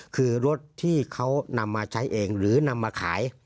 คือรถที่เขานำมาใช้เองหรือนำมาขาย